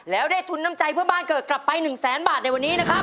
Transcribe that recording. แล้วได้ทุนน้ำใจเพื่อบ้านเกิดกลับไป๑แสนบาทในวันนี้นะครับ